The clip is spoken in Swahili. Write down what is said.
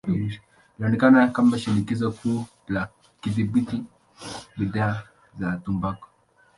Ilionekana kama shinikizo kuu la kudhibiti bidhaa za tumbaku.